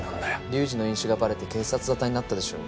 龍二の飲酒がバレて警察沙汰になったでしょ？